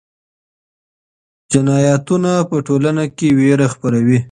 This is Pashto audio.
جنایتونه په ټولنه کې ویره خپروي.